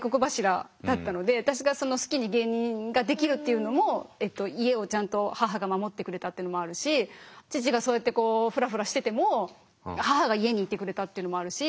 私が好きに芸人ができるっていうのも家をちゃんと母が守ってくれたっていうのもあるし父がそうやってこうフラフラしてても母が家にいてくれたっていうのもあるし